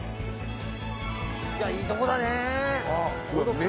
いやいいとこだね！